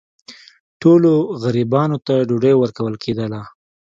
ټولو غریبانو ته ډوډۍ ورکول کېدله.